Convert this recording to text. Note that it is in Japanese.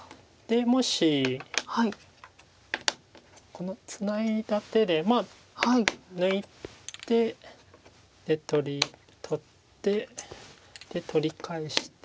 でもしこのツナいだ手で抜いてで取って取り返して。